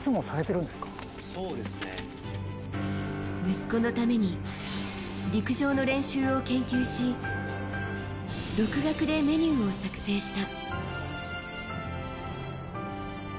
息子のために陸上の練習を研究し独学でメニューを作成した。